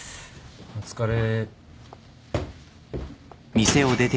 お疲れ。